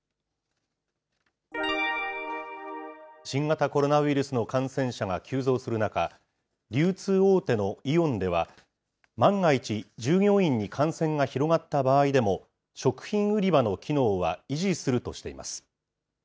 新型コロナウイルスの感染者が急増する中、流通大手のイオンでは、万が一、従業員に感染が広がった場合でも、食品売り場の機能は維持するとしています。